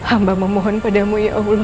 amba memohon padamu